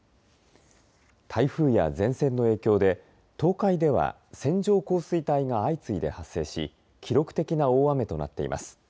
台風や前線の影響で東海では線状降水帯が相次いで発生し記録的な大雨となっています。